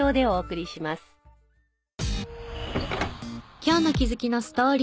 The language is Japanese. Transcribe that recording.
今日の気づきのストーリー。